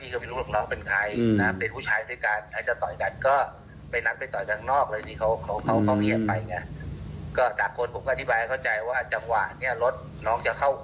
คิดว่าผมจะมาหลายครั้งถูกไหมครับ